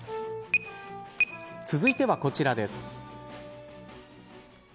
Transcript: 続いてはこちらです。